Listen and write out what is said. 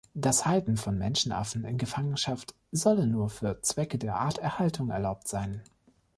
Das Halten von Menschenaffen in Gefangenschaft solle nur für Zwecke der Arterhaltung erlaubt sein.